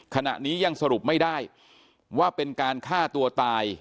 ขณะนี้ยังสรุปไม่ได้ว่าเป็นการฆ่าตัวตาย